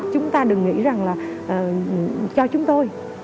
chúng ta đừng nghĩ rằng là cho chúng tôi